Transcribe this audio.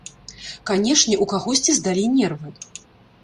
Канечне, у кагосьці здалі нервы.